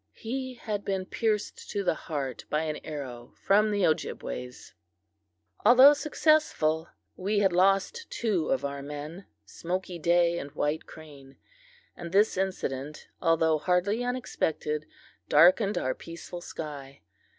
He had been pierced to the heart by an arrow from the Ojibways. Although successful, we had lost two of our men, Smoky Day and White Crane, and this incident, although hardly unexpected, darkened our peaceful sky.